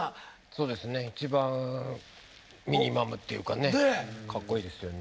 そうですね一番ミニマムっていうかねかっこいいですよね。